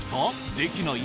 できない？